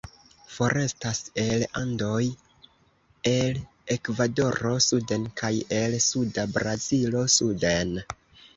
Forestas el Andoj el Ekvadoro suden kaj el suda Brazilo suden.